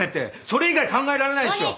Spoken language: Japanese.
それ以外考えられないっしょ！